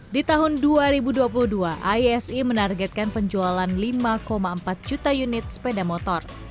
di tahun dua ribu dua puluh dua aisi menargetkan penjualan lima empat juta unit sepeda motor